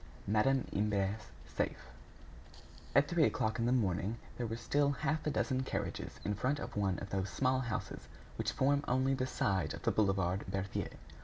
Madame Imbert's Safe At three o'clock in the morning, there were still half a dozen carriages in front of one of those small houses which form only the side of the boulevard Berthier.